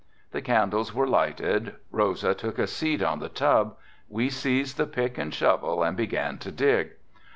The candles were lighted. Rosa took a seat on the tub, we seized the pick and shovel and began to dig.